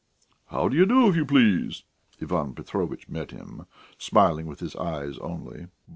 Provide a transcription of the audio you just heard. "How do you do, if you please?" Ivan Petrovitch met him, smiling with his eyes only.